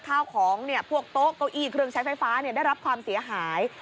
ข้าวของพวกโต๊ะเก้าอี้เครื่องใช้ไฟฟ้าได้รับความเสียหาย